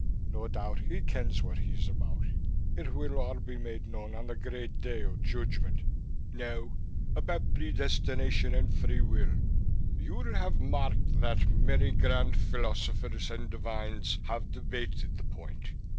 No doubt he kens what he's about. It will all be made known on the great Day of Judgment. Now about predestination and free will, you'll have marked that many grand philosophers and divines have debated the point.